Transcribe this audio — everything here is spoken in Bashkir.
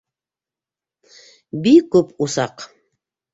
Бик күп усаҡ!